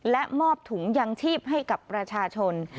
และมอบถุงยางชีพให้กับประชาชน